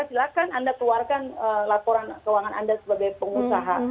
silahkan anda keluarkan laporan keuangan anda sebagai pengusaha